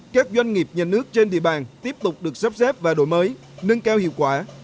các doanh nghiệp nhà nước trên địa bàn tiếp tục được sắp xếp và đổi mới nâng cao hiệu quả